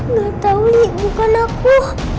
gak tau li bukan aku